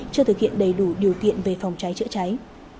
chưa thực hiện đầy đủ điều kiện về phòng cháy chữa cháy